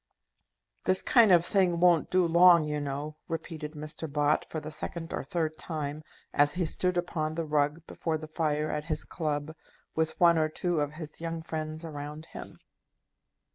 "This kind of thing won't do long, you know," repeated Mr. Bott for the second or third time, as he stood upon the rug before the fire at his club, with one or two of his young friends around him.